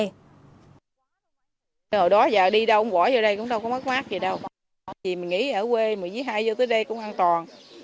hồi đó giờ đi đâu ông gõ vô đây cũng đâu có mất mát gì đâu thì mình nghĩ ở quê mình với hai vô tới đây cũng an toàn